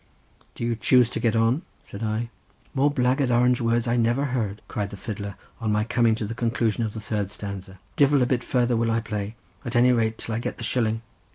"Do you choose to get on?" said I. "More blackguard Orange words I never heard!" cried the fiddler, on my coming to the conclusion of the third stanza. "Divil a bit farther will I play; at any rate till I get the shilling."